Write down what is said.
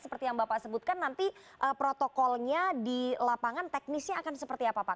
seperti yang bapak sebutkan nanti protokolnya di lapangan teknisnya akan seperti apa pak